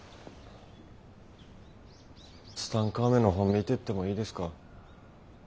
ツタンカーメンの本見てってもいいですか。